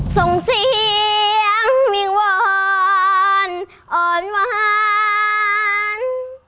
ทรงเสียงมิงวอนอ่อนวัน